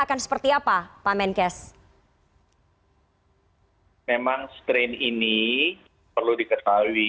akan seperti apa pak menkes